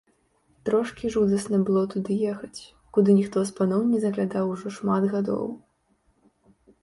Трошкі жудасна было туды ехаць, куды ніхто з паноў не заглядаў ужо шмат гадоў.